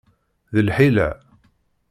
D lḥila!